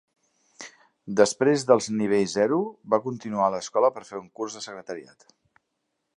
Després dels nivells O, va continuar a l'escola per fer un curs de secretariat.